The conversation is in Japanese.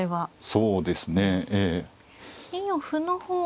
そうですね。